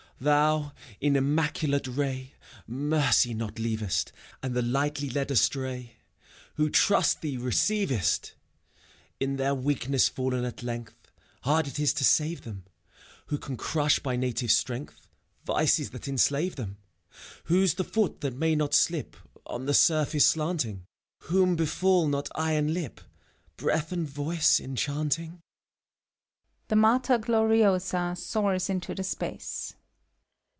Thou, in immaculate ray, Mercy not leavest, 3 And the lightly led astray. Who trust thee, receivest! In their weakness fallen at leng^ Hard it is to save them : Who can crush, by native strength, Vices that enslave them? Whose the foot that may not slip On the surface slanting? Whom befool not eye and lip, Breath and voice enchanting? (The Mater Gloriosa soars into the space.)